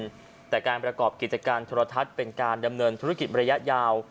เปลี่ยนผ่านที่สมบูรณ์แต่การประกอบกิจการธรรมทัศน์เป็นการดำเนินธุรกิจบริยะยาว